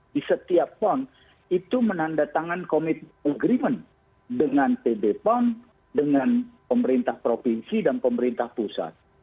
di setiap pon itu menandatangan komitmen agreement dengan pb pon dengan pemerintah provinsi dan pemerintah pusat